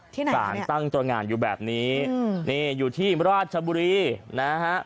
ที่ไหนครับสารตั้งตรงานอยู่แบบนี้นี่อยู่ที่ราชบุรีนะฮะ